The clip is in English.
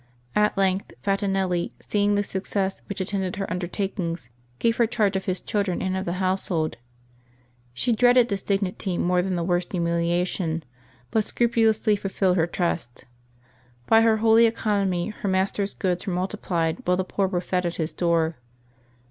At length Fatinelli, seeing the success which attended her undertakings, gave her charge of his children and of the household. She dreaded this dignity more than the worst humiliation, but scrupulously fulfilled her trust. By her holy economy her master's goods were multiplied, while the poor were fed at his door.